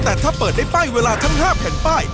แต่ถ้าเปิดได้ป้ายเวลาทั้ง๕แผ่นป้าย